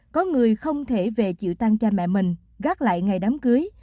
có người không thể về chịu tan cha mẹ mình gác lại ngày đám cưới